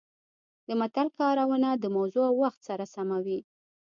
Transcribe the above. د متل کارونه د موضوع او وخت سره سمه وي